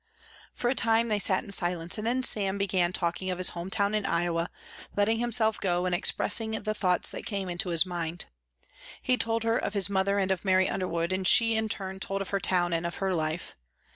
For a time they sat in silence and then Sam began talking of his home town in Iowa, letting himself go and expressing the thoughts that came into his mind. He told her of his mother and of Mary Underwood and she in turn told of her town and of her life.